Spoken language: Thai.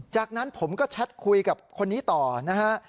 จากนั้นผมก็แชทคุยกับคนนี้ต่อนะฮะ